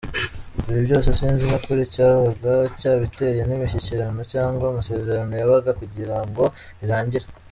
Ibi byose sinzi nyakuri icyabaga cyabiteye n’imishyikirano cyangwa amasezerano yabaga kugira ngo birangire.